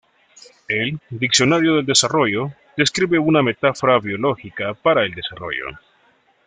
El "Diccionario del Desarrollo" describe una metáfora biológica para el desarrollo.